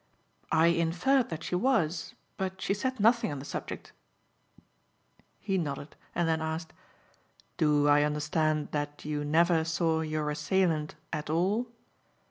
"I inferred that she was, but she said nothing on the subject." He nodded and then asked; "Do I understand that you never saw your assailant at all?"